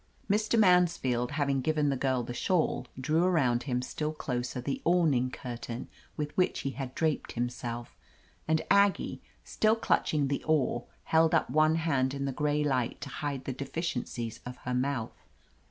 Mr. Mansfield, having given the girl the shawl, drew arotmd him still closer the awning curtain with which he had draped himself, and Aggie, still clutch ing the oar, held up one hand in the gray light to hide the deficiences of her mouth.